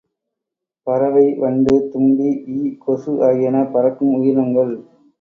பறவை, வண்டு, தும்பி, ஈ, கொசு ஆகியன பறக்கும் உயிரினங்கள்.